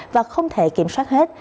và không thể kiểm soát hết